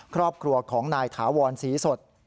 ครอบครัวของนายถาวรศรีสด